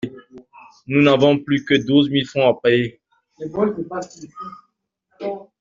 Nous n'avons plus que douze mille francs à payer.